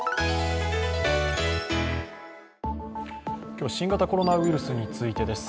今日は新型コロナウイルスについてです。